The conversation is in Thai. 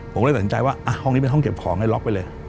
ผมเลยตัดสินใจว่าห้องนี้เป็นห้องเก็บของให้ล็อกไปเลย